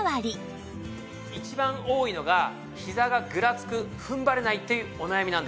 一番多いのがひざがぐらつく踏ん張れないっていうお悩みなんです。